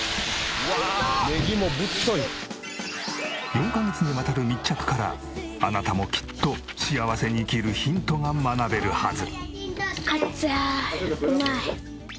４カ月にわたる密着からあなたもきっと幸せに生きるヒントが学べるはず。